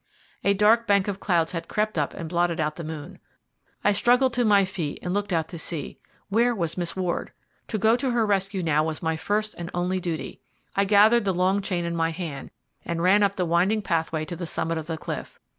A dark bank of clouds had crept up and blotted out the moon. I struggled to my feet and looked out to sea. Where was Miss Ward? To go to her rescue now was my first and only duty. I gathered the long chain in my hand, and ran up the winding pathway to the summit of the cliff.